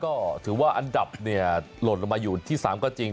ก็ถือว่าอันดับเนี่ยหล่นลงมาอยู่ที่๓ก็จริง